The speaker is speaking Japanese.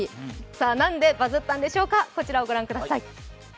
何でバズったんでしょうか、こちらを御覧ください。